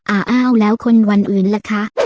อ้าวอ้าวแล้วคนวันอื่นล่ะคะ